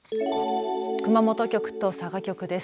熊本局と佐賀局です。